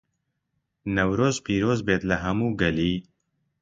نەورۆز پیرۆزبێت لە هەموو گەلی